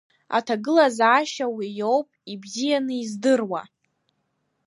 Аҭагылазаашьа уи иоуп ибзианы издыруа.